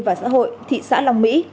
và xã hội thị xã long mỹ